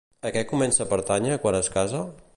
A què comença a pertànyer quan es casa?